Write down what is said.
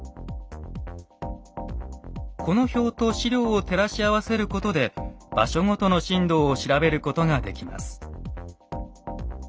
この表と史料を照らし合わせることで場所ごとの震度を調べることができます。